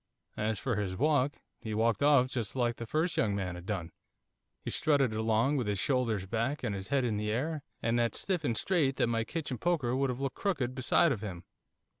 As for his walk, he walked off just like the first young man had done, he strutted along with his shoulders back, and his head in the air, and that stiff and straight that my kitchen poker would have looked crooked beside of him.